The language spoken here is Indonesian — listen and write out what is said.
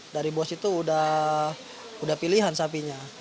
dari bos itu udah pilihan sapinya